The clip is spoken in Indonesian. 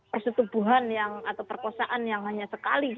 persetubuhan atau perkosaan yang hanya sekali